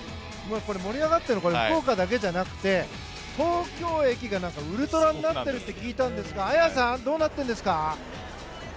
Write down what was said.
盛り上がっているのは福岡だけじゃなくて東京駅もウルトラになっていると聞いたんですが綾さんどうなっているんですか？